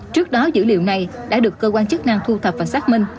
trước đó dữ liệu này đã được cơ quan chức năng thu thập và xác minh